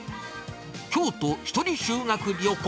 京都１人修学旅行。